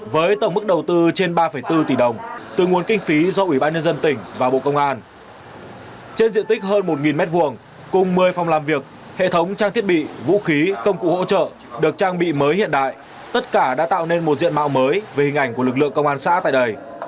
với tổng mức đầu tư trên ba bốn tỷ đồng từ nguồn kinh phí do ủy ban nhân dân tỉnh và bộ công an trên diện tích hơn một m hai cùng một mươi phòng làm việc hệ thống trang thiết bị vũ khí công cụ hỗ trợ được trang bị mới hiện đại tất cả đã tạo nên một diện mạo mới về hình ảnh của lực lượng công an xã tại đây